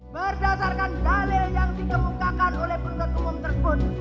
berdasarkan dalil yang dikemukakan oleh penuntut umum tersebut